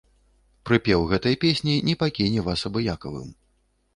Прыпеў гэтай песні не пакіне вас абыякавым.